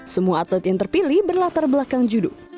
semua atlet yang terpilih berlatar belakang judul